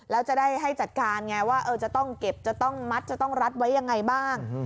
แล้วจะได้ให้จัดการไงว่าจะต้องเก็บจะต้องมัดจะต้องรัดไว้ยังไงบ้าง